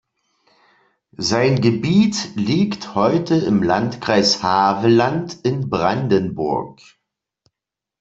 Sein Gebiet liegt heute im Landkreis Havelland in Brandenburg.